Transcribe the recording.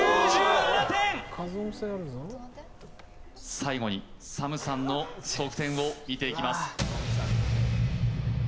最後にＳＡＭさんの得点を見ていきます